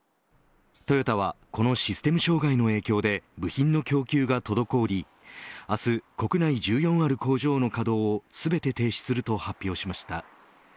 トヨタはこのシステム障害の影響で部品の供給が滞り明日、国内１４ある工場の稼働を全て停止すると発表しました。